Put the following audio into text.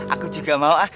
aku juga mau ah